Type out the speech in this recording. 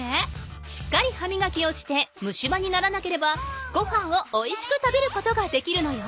しっかりはみがきをして虫歯にならなければごはんをおいしく食べることができるのよ。